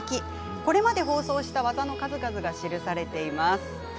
これまで放送した技の数々が記されています。